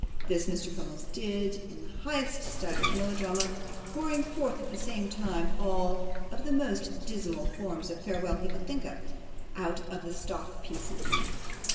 This Mr. Crummles did in the highest style of melodrama, pouring forth at the same time all the most dismal forms of farewell he could think of, out of the stock pieces.